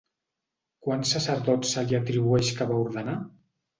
Quants sacerdots se li atribueix que va ordenar?